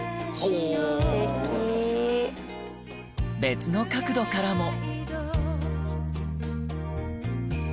別の角度からも。